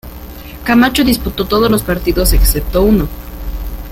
Camacho disputó todos los partidos excepto uno.